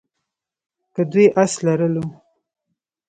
که دوی آس لرلو.